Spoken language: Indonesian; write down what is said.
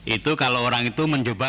itu kalau orang itu mencoba